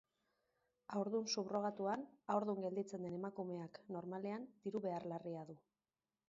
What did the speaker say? Haurdun subrogatuan haurdun gelditzen den emakumeak normalean diru behar larria du.